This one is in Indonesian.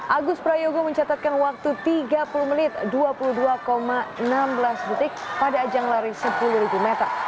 agus prayogo mencatatkan waktu tiga puluh menit dua puluh dua enam belas detik pada ajang lari sepuluh meter